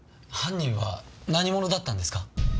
犯人は何者だったんですか？